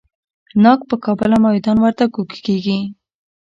ناک په کابل او میدان وردګو کې کیږي.